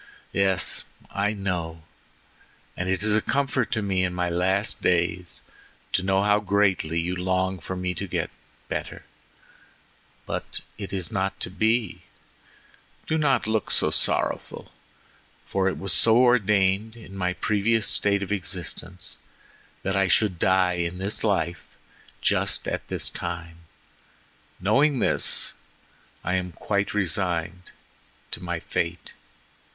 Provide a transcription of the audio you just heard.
"Yes, I know, and it is a comfort to me in my last days to know how greatly you long for me to get better, but it is not to be. Do not look so sorrowful, for it was so ordained in my previous state of existence that I should die in this life just at this time; knowing this, I am quite resigned to my fate.